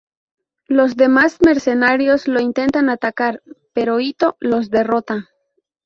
Los demás mercenarios lo intentan atacar, pero Ittō los derrota.